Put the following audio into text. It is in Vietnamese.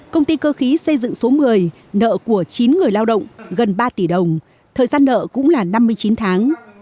công ty cơ khí xây dựng số một mươi nợ của chín người lao động gần ba tỷ đồng thời gian nợ cũng là năm mươi chín tháng